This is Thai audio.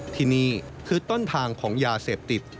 ที่นี่คือต้นทางของยาเสพติด